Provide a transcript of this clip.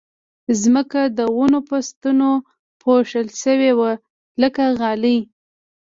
ځمکه د ونو په ستنو پوښل شوې وه لکه غالۍ